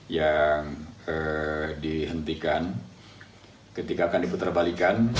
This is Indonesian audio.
yang dihentikan ketika akan diputar balikan